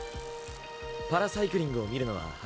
パラサイクリングを見るのは初めて？